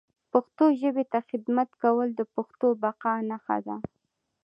پښتو ژبي ته خدمت کول د پښتون بقا نښه ده